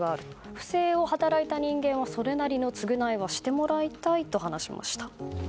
不正を働いた人間はそれなりの償いはしてもらいたいと話しました。